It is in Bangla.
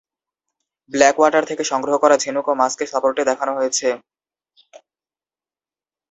ব্ল্যাকওয়াটার থেকে সংগ্রহ করা ঝিনুক ও মাছকে সাপোর্টে দেখানো হয়েছে।